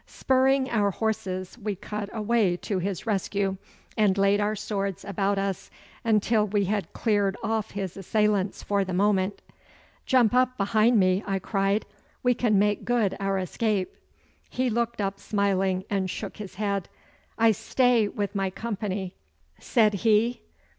Spurring our horses we cut a way to his rescue, and laid our swords about us until we had cleared off his assailants for the moment. 'Jump up behind me!' I cried. 'We can make good our escape.' He looked up smiling and shook his head. 'I stay with my company,' said he.